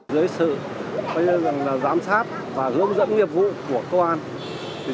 dưới sự giám sát và hướng dẫn nghiệp vụ của công an